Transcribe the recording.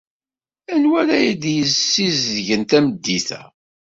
Anwi ara d-yessizedgen tameddit-a?